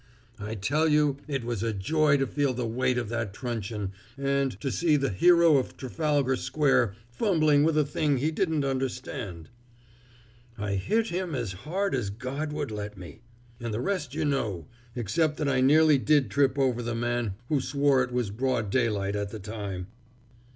I tell you it was a joy to feel the weight of that truncheon, and to see the hero of Trafalgar Square fumbling with a thing he didn't understand! I hit him as hard as God would let me and the rest you know except that I nearly did trip over the man who swore it was broad daylight at the time!"